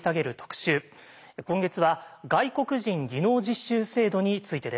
今月は外国人技能実習制度についてです。